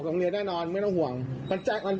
นี่เห็นมั้ยอันนี้รุ่นพี่ม๓